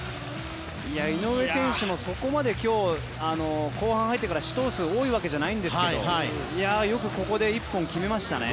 井上選手もそこまで今日後半入ってから試投数が多いわけじゃないんですけどよく、ここで１本決めましたね。